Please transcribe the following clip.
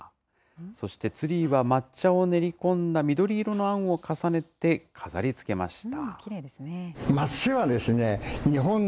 そしてツリーは抹茶を練り込んだ緑色のあんを重ねて、飾りつけました。